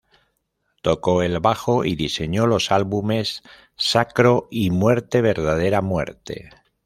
Tocó el bajo y diseñó los álbumes "Sacro" y "Muerte Verdadera Muerte".